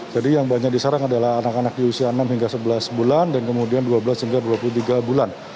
jadi yang banyak disarang adalah anak anak di usia enam hingga sebelas bulan dan kemudian dua belas hingga dua puluh tiga bulan